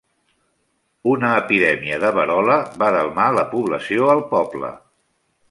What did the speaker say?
Una epidèmia de verola va delmar la població al poble.